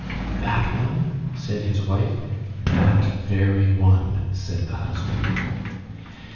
"That one?" said his wife. "That very one," said the husband.